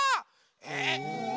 えっ。